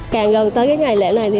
càng gần tới ngày lễ này